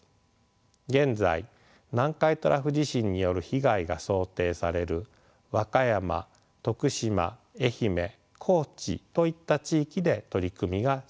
現在南海トラフ地震による被害が想定される和歌山・徳島・愛媛・高知といった地域で取り組みが進められています。